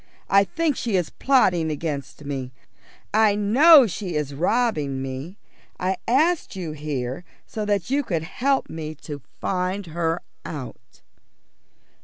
I think she is plotting against me; I know she is robbing me. I asked you here so that you could help me to find her out."